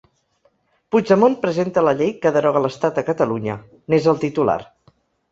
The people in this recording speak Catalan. Puigdemont presenta la llei que deroga l’estat a Catalunya, n’és el titular.